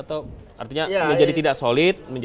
artinya menjadi tidak solid